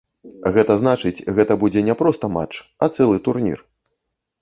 Гэта значыць, гэта будзе не проста матч, а цэлы турнір.